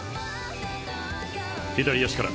左足から。